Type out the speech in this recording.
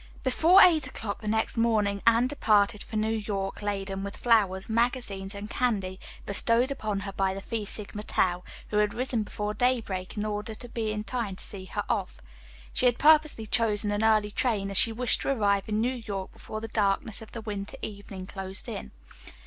Before eight o'clock the next morning Anne departed for New York, laden with flowers, magazines and candy, bestowed upon her by the Phi Sigma Tau, who had risen before daybreak in order to be in time to see her off. She had purposely chosen an early train, as she wished to arrive in New York before the darkness of the winter evening closed in.